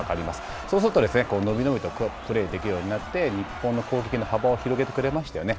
そうすると、伸び伸びとプレーできるようになって日本の攻撃の幅を広げてくれましたよね。